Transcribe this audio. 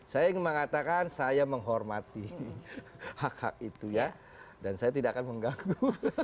saya ingin mengatakan saya menghormati hak hak itu ya dan saya tidak akan mengganggu